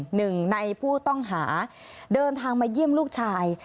หนึ่งในผู้ต้องหาเดินทางมาเยี่ยมลูกชาย